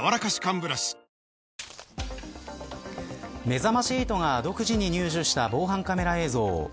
めざまし８が独自に入手した防犯カメラ映像。